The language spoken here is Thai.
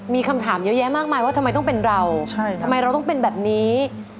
มีคำถามเยอะแยะมากมายว่าทำไมต้องเป็นเราทำไมเราต้องเป็นแบบนี้